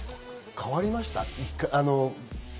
変わりましたか？